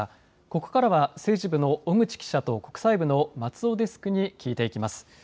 ここからは、政治部の小口記者と国際部の松尾デスクに聞いていきます。